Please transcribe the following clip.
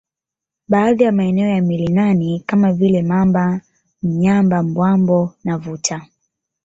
Baadhi ya maeneo ya milinani kama vile mamba Mnyamba Bwambo na Vunta